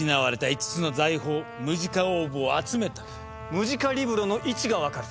ムジカリブロの位置が分かる。